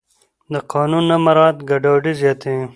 د قانون نه مراعت ګډوډي زیاتوي